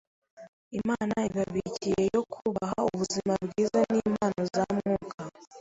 Imana ibabikiye yo kubaha ubuzima bwiza n’impano za Mwuka!